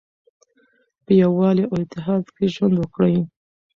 په یووالي او اتحاد کې ژوند وکړئ.